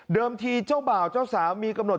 ทีเจ้าบ่าวเจ้าสาวมีกำหนด